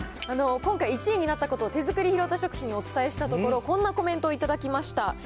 今回、１位になったことを、手造りひろた食品にお伝えしたところ、こんなコメントを頂きました。